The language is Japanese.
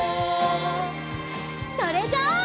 それじゃあ。